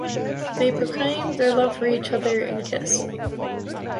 They proclaim their love for each other and kiss.